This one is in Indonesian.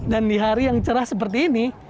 dan di hari yang cerah seperti ini